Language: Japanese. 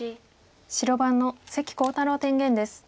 白番の関航太郎天元です。